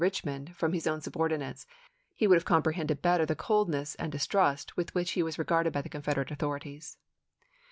Richmond from his own subordinates, he would have comprehended better the coldness and distrust with which he was regarded by the Confederate author ities.